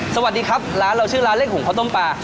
สวัสดีครับร้านเราชื่อร้านเลขหุงข้าวต้มปลา